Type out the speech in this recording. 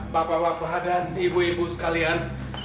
bapak bapak dan ibu ibu sekalian